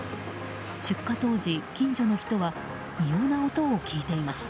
出火当時、近所の人は異様な音を聞いていました。